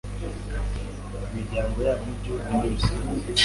imiryango yabo n’igihugu muri rusange